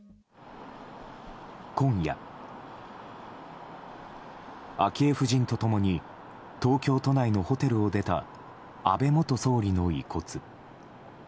今夜、昭恵夫人と共に東京都内のホテルを出た安倍元総理の遺骨。